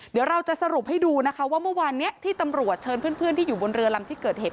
เดี๋ยวเราจะสรุปให้ดูนะคะว่าเมื่อวานนี้ที่ตำรวจเชิญเพื่อนที่อยู่บนเรือลำที่เกิดเหตุ